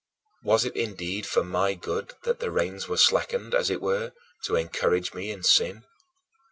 Was it indeed for my good that the reins were slackened, as it were, to encourage me in sin?